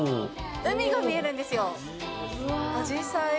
海が見えるんですよ。